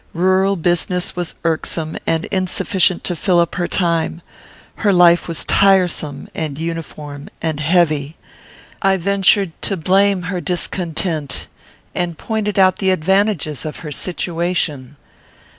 Rural business was irksome, and insufficient to fill up her time. Her life was tiresome, and uniform, and heavy. I ventured to blame her discontent, and pointed out the advantages of her situation.